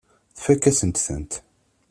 Tfakk-asent-tent.